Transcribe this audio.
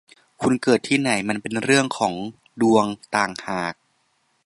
คุณเกิดที่ไหนมันเป็นเรื่องของดวงต่างหาก